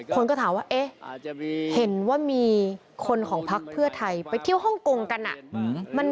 คนก็ถามว่าเอ๊ะเห็นว่ามีคนของพักเพื่อไทยไปเที่ยวฮ่องกงกัน